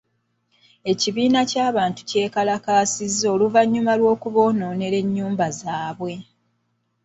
Ekibinja ky'abantu kyekalakaasizza oluvannyuma lw'okuboonoonera ennyumba zaabwe.